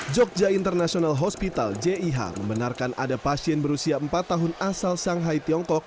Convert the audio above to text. jogja international hospital jih membenarkan ada pasien berusia empat tahun asal shanghai tiongkok